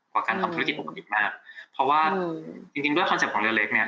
พอการทำธุรกิจปกติมากเพราะว่าจริงจริงด้วยคอนเซ็ปต์เรือเล็กเนี่ย